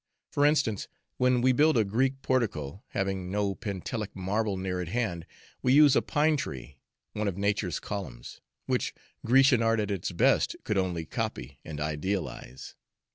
For instance, when we build a Greek portico, having no Pentelic marble near at hand, we use a pine tree, one of nature's columns, which Grecian art at its best could only copy and idealize.